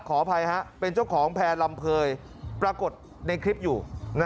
ขออภัยเป็นเจ้าของแพร่ลำเภยปรากฏในคลิปอยู่